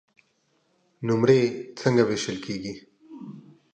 نمرې څنګه وېشل کیږي؟